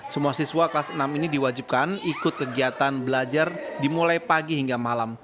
semua siswa kelas enam ini diwajibkan ikut kegiatan belajar dimulai pagi hingga malam